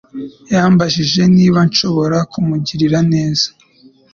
Yambajije niba nshobora kumugirira neza.